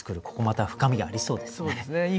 ここまた深みがありそうですね。